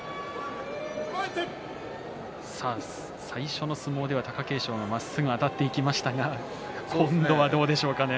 最初の相撲では貴景勝がまっすぐあたっていきましたが今度はどうでしょうかね。